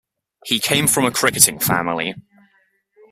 He came from a cricketing family.